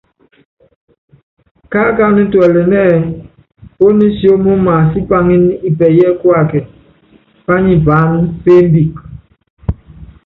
Kaákáánɛ́ tuɛlɛnɛ́ ɛ́ɛ́ pónisiómo maasipaŋínɛ Ipɛyɛ Kuákɛ, pányɛ paáná peEmbíke.